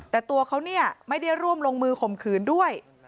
แต่ตัวเขาเนี่ยไม่ได้ร่วมลงมือข่มขืนด้วย